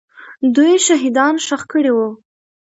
دوی شهیدان ښخ کړي وو.